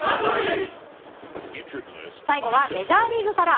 最後はメジャーリーグから。